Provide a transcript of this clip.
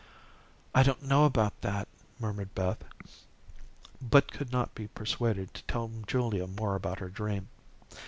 "I don't know about that," murmured Beth, but could not be persuaded to tell Julia more about her dream.